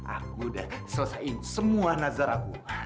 aku udah selesain semua nazar aku